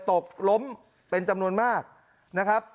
ตกล้มเป็นจำนวนมากนะครับ